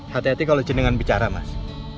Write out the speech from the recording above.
hati hati kalau jenengan bicara mas